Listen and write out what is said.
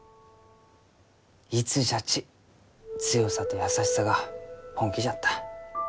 いつじゃち強さと優しさが本気じゃった。